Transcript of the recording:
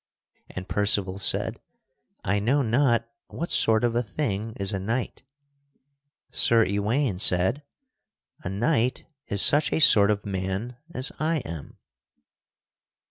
And Percival said, "I know not what sort of a thing is a knight." Sir Ewaine said, "A knight is such a sort of man as I am."